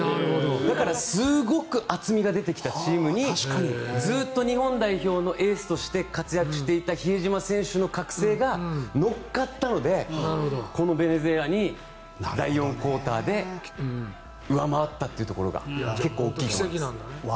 だからすごく厚みが出てきたチームにずっと日本代表のエースとして活躍していた比江島選手の覚醒が乗っかったのでこのベネズエラに第４クオーターで上回ったというところが奇跡なんだね。